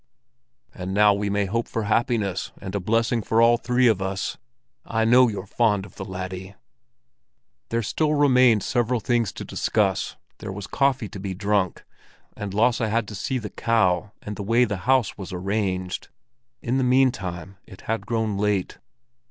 "And now we may hope for happiness and a blessing for all three of us. I know you're fond of the laddie." There still remained several things to discuss, there was coffee to be drunk, and Lasse had to see the cow and the way the house was arranged. In the meantime it had grown late.